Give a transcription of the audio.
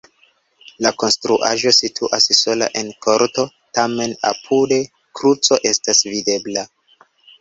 La konstruaĵo situas sola en korto, tamen apude kruco estas videbla.